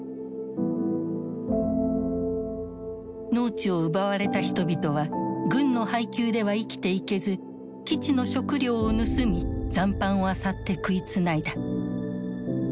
農地を奪われた人々は軍の配給では生きていけず基地の食料を盗み残飯をあさって食いつないだ。